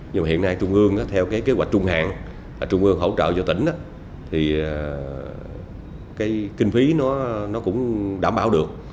nhưng hiện nay trung ương theo kế hoạch trung hạn trung ương hỗ trợ cho tỉnh kinh phí cũng đảm bảo được